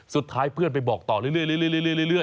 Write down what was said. สุดท้ายเพื่อนไปบอกต่อเรื่อย